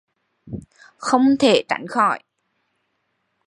Không thể tránh khỏi